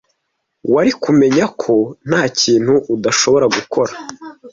Wari kumenya ko ntakintu udashobora gukora.